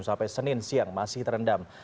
sampai senin siang masih terendam